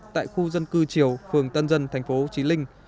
tại khu dân cư triều phường tân dân tp hcm